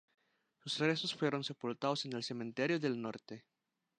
Sus restos fueron sepultados en el Cementerio del Norte.